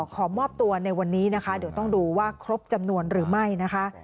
ขอมอบตัวในวันนี้นะคะเดี๋ยวต้องดูว่าครบจำนวนหรือไม่นะคะ